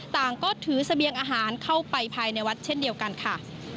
ต่างก็ถือเสบียงอาหารเข้าไปภายในวัดเช่นเดียวกันค่ะ